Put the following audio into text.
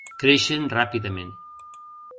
Creixen ràpidament.